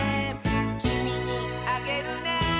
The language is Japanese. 「きみにあげるね」